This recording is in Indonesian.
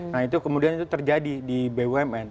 nah itu kemudian itu terjadi di bumn